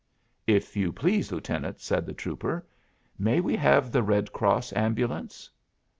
"If you please, Lieutenant," said the trooper, "may we have the Red Cross ambulance?"